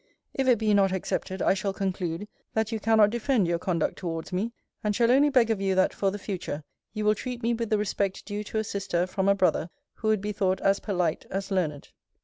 If it be not accepted, I shall conclude, that you cannot defend your conduct towards me; and shall only beg of you, that, for the future, you will treat me with the respect due to a sister from a brother who would be thought as polite as learned.